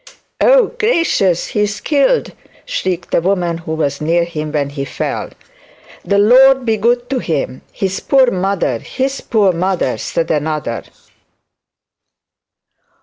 'Oh gracious, he's killed,' shrieked a woman, who was near him when he fell. 'The Lord be good to him! his poor mother, his poor mother!' said another.